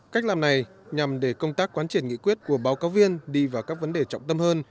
cách làm này nhằm để công tác quán triển nghị quyết của báo cáo viên đi vào các vấn đề trọng tâm hơn